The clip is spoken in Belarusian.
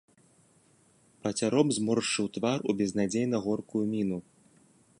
Пацяроб зморшчыў твар у безнадзейна горкую міну.